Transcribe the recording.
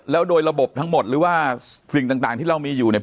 แล้วโดยระบบทั้งหมดหรือว่าสิ่งต่างที่เรามีอยู่เนี่ย